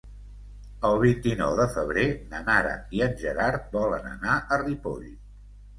El vint-i-nou de febrer na Nara i en Gerard volen anar a Ripoll.